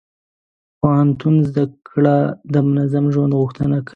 د پوهنتون زده کړه د منظم ژوند غوښتنه کوي.